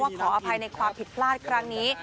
ขออภัยในความผิดพลาดครั้งนี้